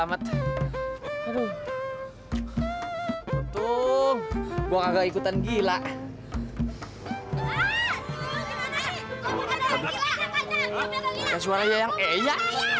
sampai jumpa di video selanjutnya